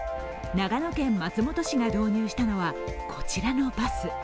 長野県松本市が導入したのはこちらのバス。